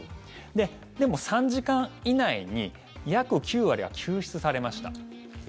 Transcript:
でも、３時間以内に約９割は救出されました。